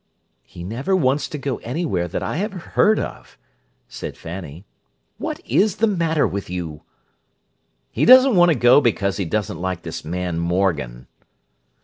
"He never wants to go anywhere that I ever heard of," said Fanny. "What is the matter with you?" "He doesn't want to go because he doesn't like this man Morgan."